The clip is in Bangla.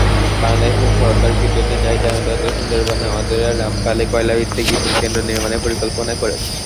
বাংলাদেশ সরকার বিদ্যুতের চাহিদা মেটাতে সুন্দরবনের অদূরে রামপালে কয়লাভিত্তিক বিদ্যুেকন্দ্র নির্মাণের পরিকল্পনা করছে।